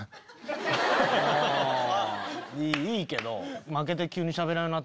いいけど。